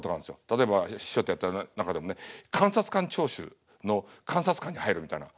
例えば師匠とやった中でもね「監察官聴取の監察官に入る」みたいな。